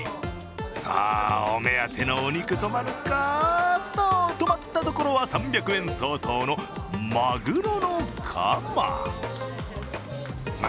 さあ、お目当てのお肉、止まるか止まったところは３００円相当のまぐろのかま。